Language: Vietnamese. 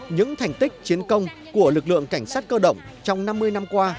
những thành tích chiến công của lực lượng cảnh sát cơ động trong năm mươi năm qua